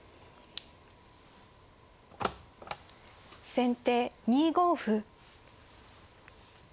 先手２五歩。